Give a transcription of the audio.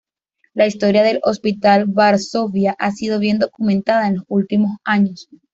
La historia del Hospital Varsovia ha sido bien documentada en los últimos años.